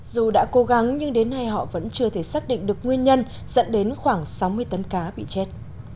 dù đã cố gắng nhưng đến nay họ vẫn chưa thể xác định được nguyên nhân dẫn đến khoảng sáu mươi tấn cá bị chết